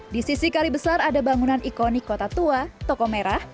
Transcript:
di sisi kali besar ada bangunan ikonik kota tua toko merah